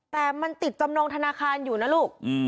แต่มันติดจำนองธนาคารอยู่นะลูก